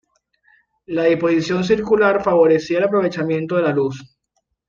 La disposición circular favorecía el aprovechamiento de la luz.